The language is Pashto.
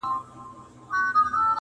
• زه د باد په مخ کي شګوفه یمه رژېږمه -